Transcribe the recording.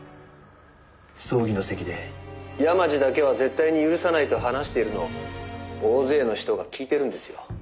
葬儀の席で山路だけは絶対に許さないと話しているのを大勢の人が聞いてるんですよ。